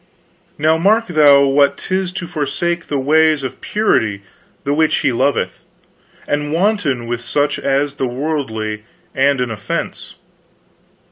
Now mark thou what 'tis to forsake the ways of purity the which He loveth, and wanton with such as be worldly and an offense.